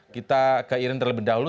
kita ke irin terlebih dahulu